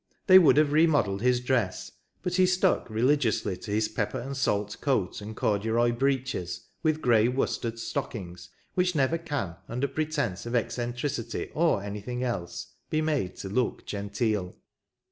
They would have re modelled his dress ; but he stuck religiously to his pepper and salt coat and corduroy breeches with grey worsted stockings, which never can, under pretence of eccentricity or anything else, be made to look genteel.